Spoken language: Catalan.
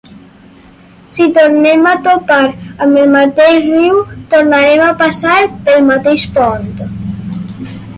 Si tornem a topar amb el mateix riu, tornarem a passar pel mateix pont.